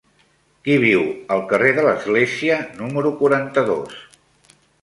Qui viu al carrer de l'Església número quaranta-dos?